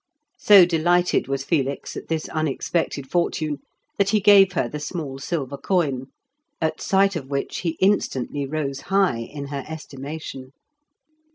So delighted was Felix at this unexpected fortune, that he gave her the small silver coin, at sight of which he instantly rose high in her estimation.